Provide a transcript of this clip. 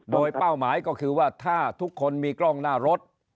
โดยเป้าหมายก็คือว่าถ้าทุกคนมีกล้องหน้ารถ